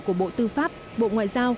của bộ tư pháp bộ ngoại giao